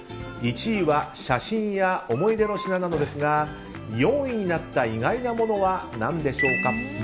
１位は写真や思い出の品なのですが４位になった意外なものは何でしょうか？